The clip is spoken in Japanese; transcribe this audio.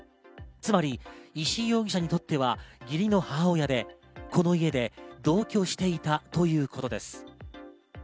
つまり石井容疑者にとっては義理の母親で、この家で同居していたということです。